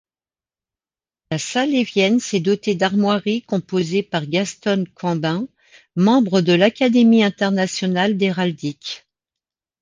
La Salévienne s'est dotée d'armoiries composées par Gastone Cambin, membre de l'Académie internationale d'héraldique.